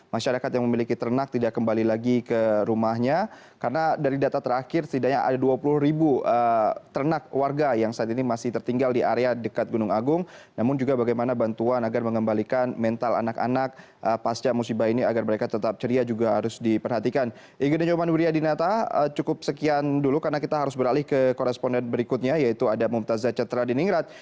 masyarakat yang memiliki pengungsian yang lebih baik yang lebih baik yang lebih baik